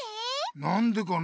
なんでかな？